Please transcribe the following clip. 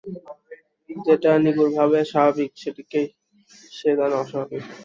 যেটা নিগূঢ়ভাবে স্বাভাবিক, সেইটিকেই সে জানে অস্বাভাবিক।